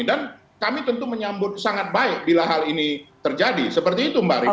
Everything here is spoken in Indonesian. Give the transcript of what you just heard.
dan kami tentu menyambut sangat baik bila hal ini terjadi seperti itu mbak arifana